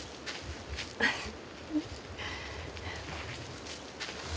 はい。